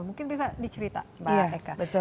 mungkin bisa dicerita mbak eka